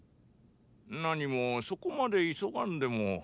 何もそこまで急がんでも。